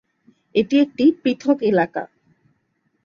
এটি একটি পৃথক এলাকা।